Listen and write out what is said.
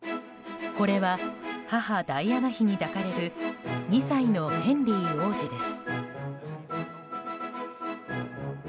これは母ダイアナ妃に抱かれる２歳のヘンリー王子です。